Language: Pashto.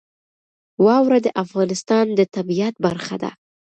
واوره د افغانستان د طبیعت برخه ده.